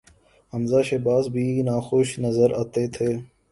حمزہ شہباز بھی ناخوش نظر آتے تھے۔